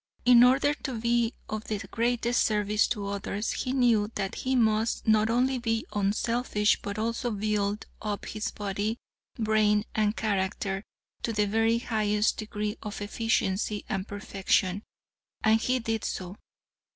In order to be of the greatest service to others, he knew that he must not only be unselfish, but also build up his body, brain and character to the very highest degree of efficiency and perfection. And he did so.